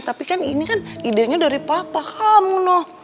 tapi kan ini kan idenya dari papa kamu noh